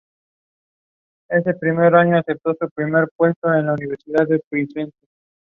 Siguieron nuevos cortes y nueva ratificación en octubre, pero en noviembre fue finalmente autorizada.